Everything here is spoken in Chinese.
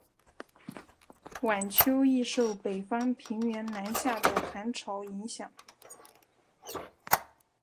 晚秋易受北方平原南下的寒潮影响。